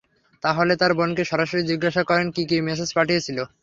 তাহলে তার বোনকে সরাসরি জিজ্ঞাসা করেন কি কি মেসেজ পাঠিয়েছিল।